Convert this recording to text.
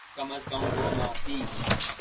کم از کم وہ نہ تھی۔